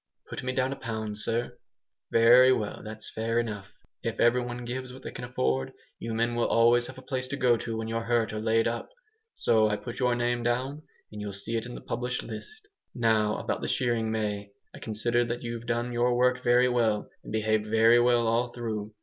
"Put me down a pound, sir." "Very well, that's fair enough. If every one gives what they can afford, you men will always have a place to go to when you're hurt or laid up. So I put your name down, and you'll see it in the published list. Now about the shearing, May. I consider that you've done your work very well, and behaved very well all through.